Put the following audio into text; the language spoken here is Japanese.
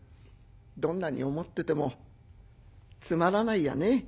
どんなに思っててもつまらないやね」。